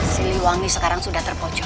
siliwangi sekarang sudah terpocok